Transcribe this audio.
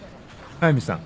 速見さん